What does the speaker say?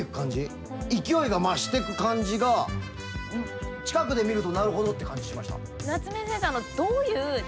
勢いが増してく感じが近くで見るとなるほどって感じしました。